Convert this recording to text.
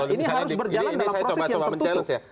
ini harus berjalan dalam proses yang tertutup